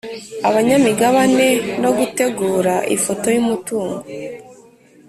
abanyamigabane no gutegura ifoto y umutungo